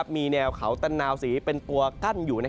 มีแนวเขาตะนาวสีเป็นตัวกั้นอยู่